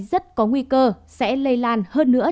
rất có nguy cơ sẽ lây lan hơn nữa